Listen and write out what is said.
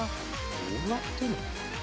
どうやってるの？